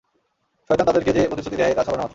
শয়তান তাদেরকে যে প্রতিশ্রুতি দেয় তা ছলনা মাত্র।